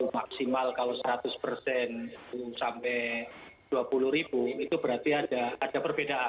maksimal kalau seratus persen itu sampai dua puluh ribu itu berarti ada perbedaan